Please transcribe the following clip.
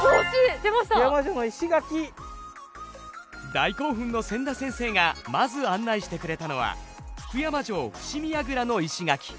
大興奮の千田先生がまず案内してくれたのは福山城伏見櫓の石垣。